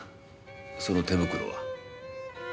その手袋は？